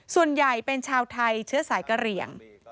ส่วนใหญ่เป็นชาวไทยเชื้อสายกะเหลี่ยง